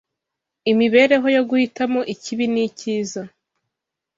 imibereho yo guhitamo ikibi n’icyiza